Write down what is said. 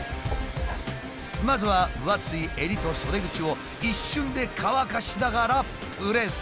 まずは分厚い襟と袖口を一瞬で乾かしながらプレス。